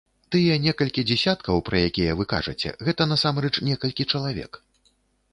Тыя некалькі дзесяткаў, пра якія вы кажаце, гэта насамрэч некалькі чалавек.